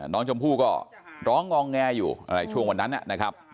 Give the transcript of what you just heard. น้องชมพู่ก็ร้องงองแงอยู่อะไรช่วงวันนั้นนะครับ